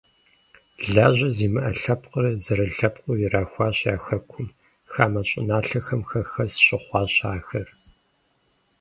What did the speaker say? Лажьэ зимыӀэ лъэпкъыр зэрылъэпкъыу ирахуащ я хэкум, хамэ щӀыналъэхэм хэхэс щыхъуащ ахэр.